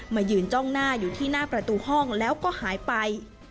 มายืนจ้องหน้าอยู่ที่หน้าประตูห้องแล้วก็หายไป